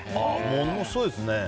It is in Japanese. ものすごいですね。